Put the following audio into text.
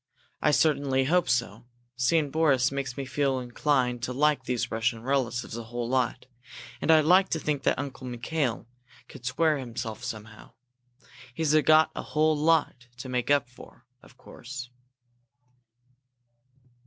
"I certainly hope so! Seeing Boris makes me inclined to like these Russian relatives a whole lot, and I'd like to think that Uncle Mikail could square himself somehow. He's got a whole lot to make up for, of course."